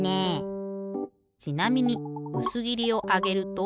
ちなみにうすぎりをあげると。